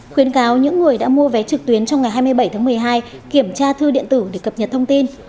khuyến cáo những người đã mua vé trực tuyến trong ngày hai mươi bảy tháng một mươi hai kiểm tra thư điện tử để cập nhật thông tin